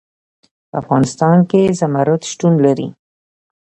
په افغانستان کې زمرد شتون لري.